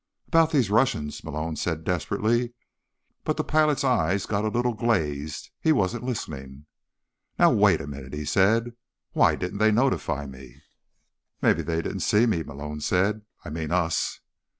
"About these Russians—" Malone said desperately. But the pilot's eyes got a little glazed. He wasn't listening. "Now, wait a minute," he said. "Why didn't they notify me?" "Maybe they didn't see me," Malone said. "I mean us."